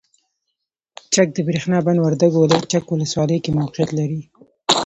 چک دبریښنا بند وردګو ولایت چک ولسوالۍ کې موقعیت لري.